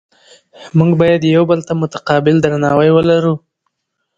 موږ باید یو بل ته متقابل درناوی ولرو